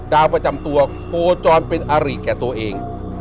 ดาวประจำตัวโคจรเป็นอาริแก่ตัวเอง